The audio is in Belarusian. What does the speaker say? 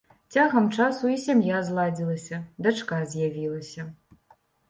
Цягам часу і сям'я зладзілася, дачка з'явілася.